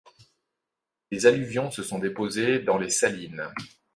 Des alluvions se sont déposées dans les Salines.